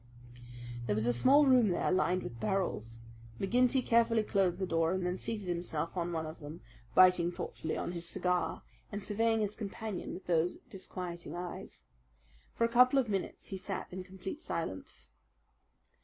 There was a small room there, lined with barrels. McGinty carefully closed the door, and then seated himself on one of them, biting thoughtfully on his cigar and surveying his companion with those disquieting eyes. For a couple of minutes he sat in complete silence.